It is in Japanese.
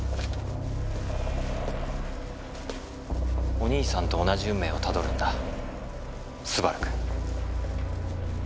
お兄さんと同じ運命をたどるんだ昴くん。